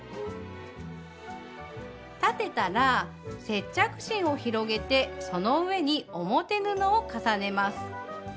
裁てたら接着芯を広げてその上に表布を重ねます。